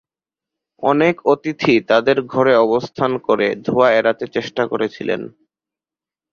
অনেক অতিথি তাদের ঘরে অবস্থান করে ধোঁয়া এড়াতে চেষ্টা করেছিলেন।